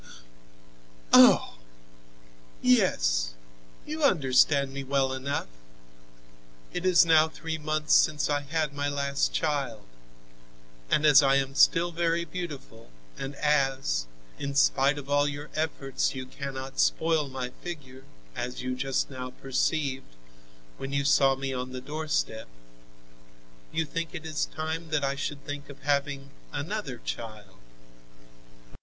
"Oh! yes; you understand me well enough. It is now three months since I had my last child, and as I am still very beautiful, and as, in spite of all your efforts you cannot spoil my figure, as you just now perceived, when you saw me on the doorstep, you think it is time that I should think of having another child."